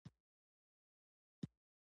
اوړه په تنور کې نان ته ژوند ورکوي